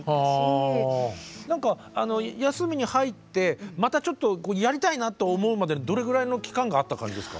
何か休みに入ってまたちょっとやりたいなと思うまでにどれぐらいの期間があった感じですか？